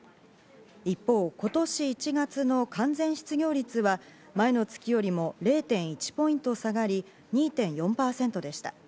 一方、今年１月の完全失業率は前の月よりも０．１ポイント下がり、２．４％でした。